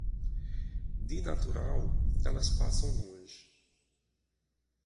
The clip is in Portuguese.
De natural, elas passam longe.